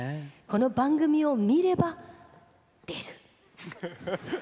この番組を見れば出る。